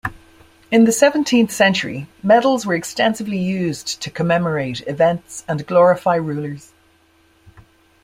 In the seventeenth century medals were extensively used to commemorate events and glorify rulers.